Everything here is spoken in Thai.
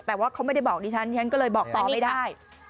แต่ว่าเขาไม่ได้บอกดิฉันฉันก็เลยบอกต่อไม่ได้